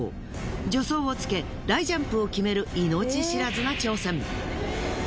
助走をつけ大ジャンプを決める命知らずな挑戦。